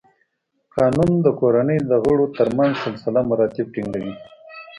قانون د کورنۍ د غړو تر منځ سلسله مراتب ټینګوي.